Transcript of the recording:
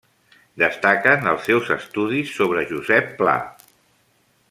Destaquen els seus estudis sobre Josep Pla.